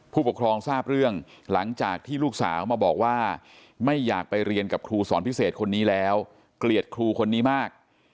ผู้ปกครองทราบเรื่องหลังจากที่ลูกสาวมาบอกว่าไม่อยากไปเรียนกับครูสอนพิเศษคนนี้แล้วเกลียดครูคนนี้มาก